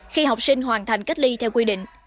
khi học sinh hoàn thành cách ly theo quy định